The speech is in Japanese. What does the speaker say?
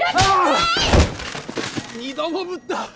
二度もぶった！